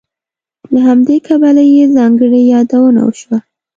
له همدې کبله یې ځانګړې یادونه وشوه.